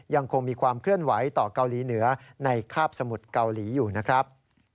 ยังคงมีความเคลื่อนไหวต่อเกาหลีเหนือในคาบสมุทรเกาหลีอยู่นะครับ